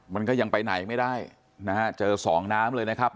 มันก็ยังไปไหนไม่ได้นะฮะเจอสองน้ำเลยนะครับ